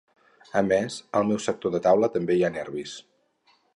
A més, al meu sector de taula també hi ha nervis.